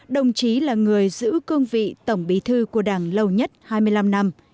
đồng chí là người giữ cương vị tổng bí thư của đảng lâu nhất hai mươi năm năm